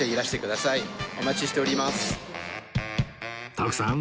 徳さん